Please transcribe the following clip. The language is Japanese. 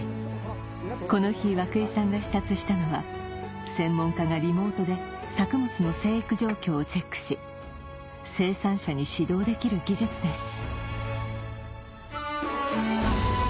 この日涌井さんが視察したのは専門家がリモートで作物の生育状況をチェックし生産者に指導できる技術です